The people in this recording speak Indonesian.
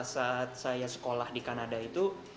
saat saya sekolah di kanada itu